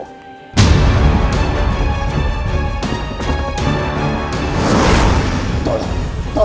aku sangat membenci orang orang penjilat sepertimu